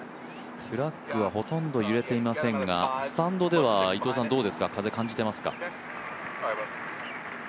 フラッグはほとんど揺れていませんが、スタンドではどうですか、風感じていますか？